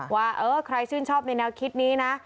ว่าเออใครชื่นชอบในแนวคิดนี้นะ